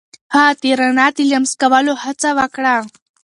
هغه د رڼا د لمس کولو هڅه وکړه.